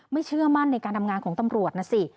เชื่อมั่นในการทำงานของตำรวจนะสิ